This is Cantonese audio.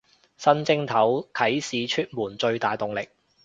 新正頭啟市出門最大動力